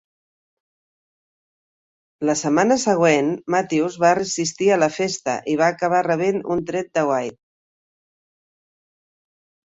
La setmana següent, Mathews va assistir a la festa i va acabar rebent un tret de White.